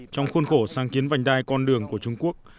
trong khuôn khổ sáng kiến vành đai con đường của trung quốc